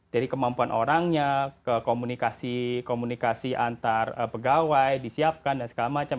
jadi kemampuan orangnya komunikasi antar pegawai disiapkan dan segala macam